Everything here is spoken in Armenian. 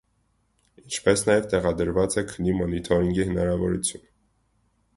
Ինչպես նաև տեղադրված է քնի մոնիթորինգի հնարավորություն։